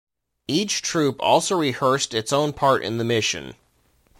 Each troop also rehearsed its own part in the mission.